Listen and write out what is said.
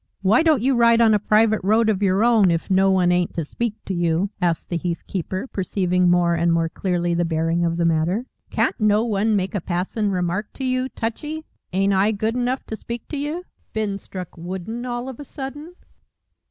"Why don't you ride on a private road of your own if no one ain't to speak to you?" asked the heath keeper, perceiving more and more clearly the bearing of the matter. "Can't no one make a passin' remark to you, Touchy? Ain't I good enough to speak to you? Been struck wooden all of a sudden?"